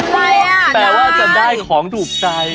ไปอ่ะแปลว่าจะได้ของถูกใจ